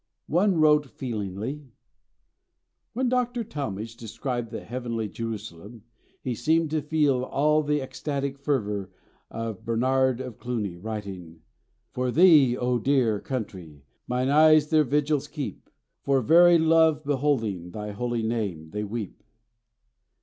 One wrote feelingly: "When Dr. Talmage described the Heavenly Jerusalem, he seemed to feel all the ecstatic fervour of a Bernard of Cluny, writing: 'For thee, O dear, dear Country! Mine eyes their vigils keep; For very love beholding Thy holy name, they weep.'"